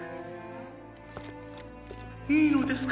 いいのですか？